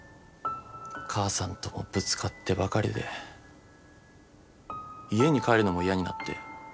母さんともぶつかってばかりで家に帰るのも嫌になって。